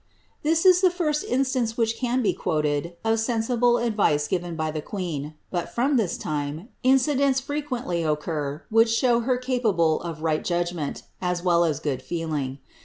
This is the first instance which can be quoted of sensible advice given by the queen, but from this time incidents frequently occur which show her capable of right judgment, as well as good feeling.